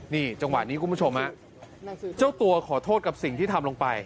นี่จังหวะนี้คุณผู้ชมฮะเจ้าตัวขอโทษกับสิ่งที่ทำลงไป